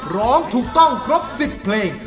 ร้องถูกต้องครบ๑๐เพลง